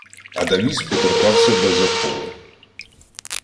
Адаміс поторкав себе за поли: